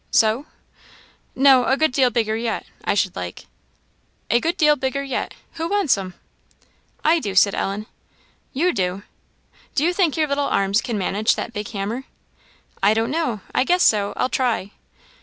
"So?" "No, a good deal bigger yet, I should like." "A good deal bigger yet who wants 'em?" "I do," said Ellen, smiling. "You do! do you think your little arms can manage that big hammer?" "I don't know; I guess so; I'll try."